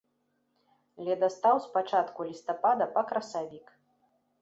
Ледастаў з пачатку лістапада па красавік.